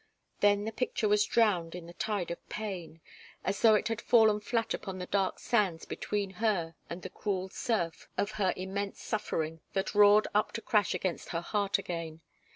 Then the picture was drowned in the tide of pain as though it had fallen flat upon the dark sands between her and the cruel surf of her immense suffering that roared up to crash against her heart again.